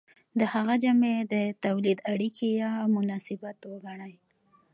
د هغه جامې د تولید اړیکې یا مناسبات وګڼئ.